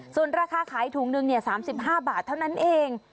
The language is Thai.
ส่วนราคาขายถุงหนึ่ง๓๕บาทเท่านั้นเอง